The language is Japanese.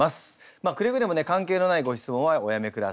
まあくれぐれもね関係のないご質問はおやめください。